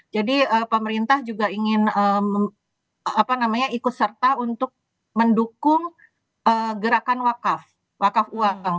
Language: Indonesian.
jadi pemerintah juga ingin ikut serta untuk mendukung gerakan wakaf wakaf uang